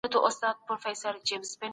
د الله په امان.